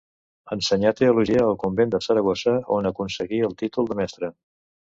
Ensenyà teologia al convent de Saragossa, on aconseguí el títol de mestre.